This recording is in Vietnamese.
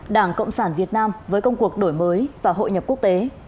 đảng cộng sản việt nam với công cuộc đổi mới và hội nhập quốc tế